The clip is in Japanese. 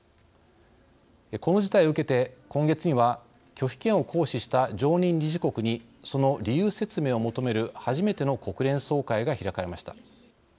この事態を受けて、今月には拒否権を行使した常任理事国にその理由説明を求める初めての国連総会が開かれました。